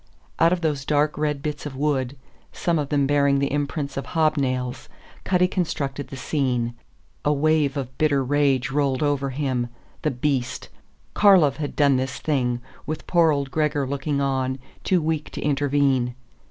Out of those dark red bits of wood some of them bearing the imprints of hobnails Cutty constructed the scene. A wave of bitter rage rolled over him. The beast! Karlov had done this thing, with poor old Gregor looking on, too weak to intervene.